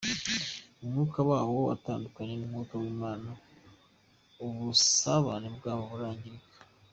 Umwuka wabo watandukanye n’Umwuka w’Imana, ubusabane bwabo burangirika.